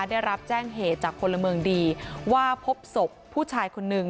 ได้รับแจ้งเหตุจากพลเมืองดีว่าพบศพผู้ชายคนนึง